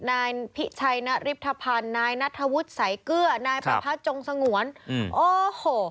ไหนพิชัยนริปภัณฑ์ไหนนัทวุฒิสายเกลือไหนประพะจงสงวนโอ้โห